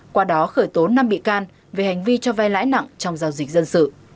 qua đó khởi tố năm bị can về hành vi cho vai lãi nặng trong giao dịch dân sự